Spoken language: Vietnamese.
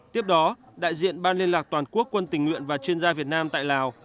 tiếp đó đại diện ban liên lạc toàn quốc quân tình nguyện và chuyên gia việt nam tại lào